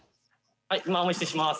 今お見せします。